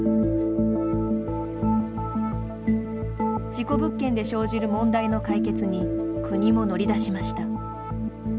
事故物件で生じる問題の解決に国も乗り出しました。